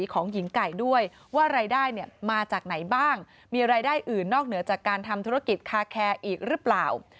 ตกลงรวยจริงรึเปล่า